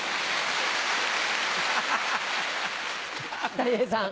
たい平さん。